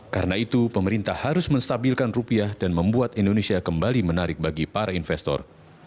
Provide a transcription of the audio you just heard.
karena itu pemerintah harus menstabilkan rupiah dan membuat indonesia kembali menarik bagi para investor